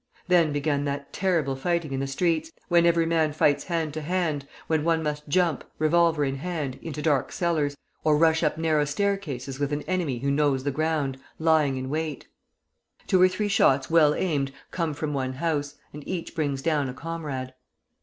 Then began that terrible fighting in the streets, when every man fights hand to hand, when one must jump, revolver in hand, into dark cellars, or rush up narrow staircases with an enemy who knows the ground, lying in wait. Two or three shots, well aimed, come from one house, and each brings down a comrade.